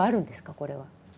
これは。